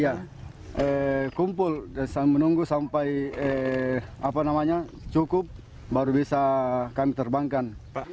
ya kumpul dan menunggu sampai cukup baru bisa kami terbangkan